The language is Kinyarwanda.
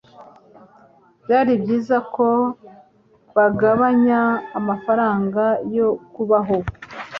Byari byiza ko bagabanya amafaranga yo kubaho